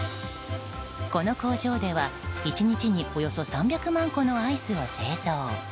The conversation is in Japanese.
この工場では１日におよそ３００万個のアイスを製造。